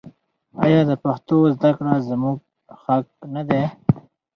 آیا د پښتو زده کړه زموږ حق نه دی؟